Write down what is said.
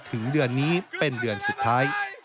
ถึงเดือนนี้เป็นเดือนสุดท้าย